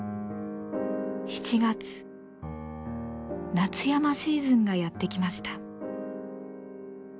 夏山シーズンがやって来ました。